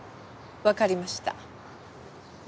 わかりました。